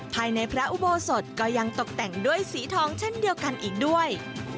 ภายในพระอุโบสถก็ยังตกแต่งด้วยสีทองเช่นเดียวกันอีกด้วย